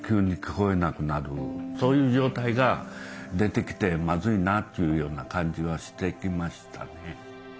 そういう状態が出てきてまずいなっていうような感じはしてきましたね。